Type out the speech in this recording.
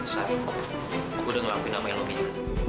sari aku udah ngelakuin sama yang lo minta